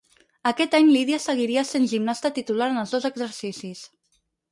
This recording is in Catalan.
Aquest any Lidia seguiria sent gimnasta titular en els dos exercicis.